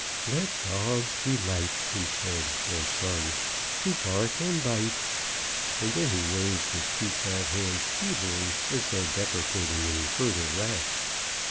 "Let dogs delight," he said or sung, "to bark and bite; " and then he raised his two fat hands feebly, as though deprecating any further wrath.